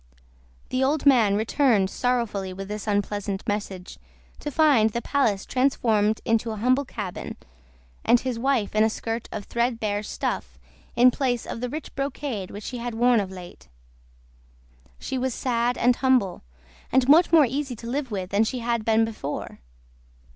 The old man returned sorrowfully with this unpleasant message, to find the palace transformed into a humble cabin, and his wife in a skirt of threadbare stuff in place of the rich brocade which she had worn of late. She was sad and humble, and much more easy to live with than she had been before.